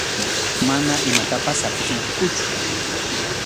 Mana imatapas saqisunkikuchu.